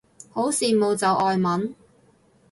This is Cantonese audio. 好羨慕就外文